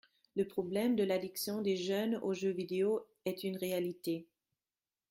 Le problème de l’addiction des jeunes aux jeux vidéo est une réalité.